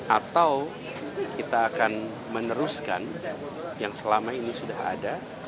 atau kita akan meneruskan yang selama ini sudah ada